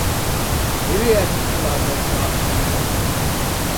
Ele é vinculado ao tráfico.